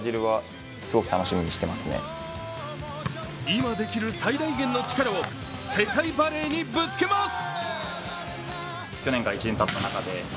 今できる最大限の力を世界バレーにぶつけます。